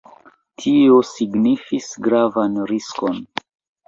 Tio signifis gravan riskon.